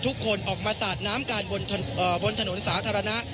ทุกคนออกมาสะหน้าน้ำกลางทุกที่ภาพที่สาธารณะ